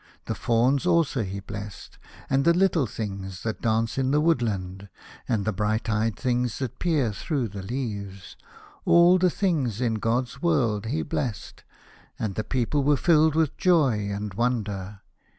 The Fauns also he blessed, and the little things that dance in the woodland, and the bright eyed things that peer through the leaves. All the things in God's world he blessed, and the people were filled with joy and wonder.